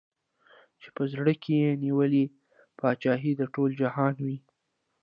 چي په زړه کي یې نیولې پاچهي د ټول جهان وي